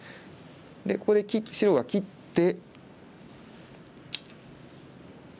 でここで白が切って。